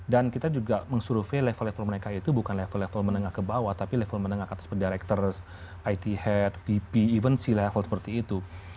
dan kita juga mensurvei level level mereka itu bukan level level menengah ke bawah tapi level menengah ke atas pendirektur it head vp even c level seperti itu